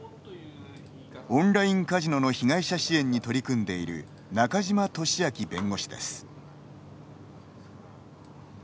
オンラインカジノの被害者支援に取り組んでいる中島俊明弁護士です。